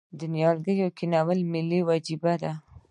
د نیالګیو کینول ملي وجیبه ده؟